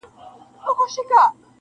دعوه ګیر وي ور سره ډېري پیسې وي-